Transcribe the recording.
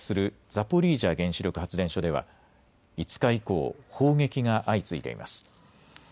ザポリージャ原子力発電所では５日以降、砲撃が相次いでいます。